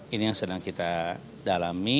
ini yang sedang kita dalami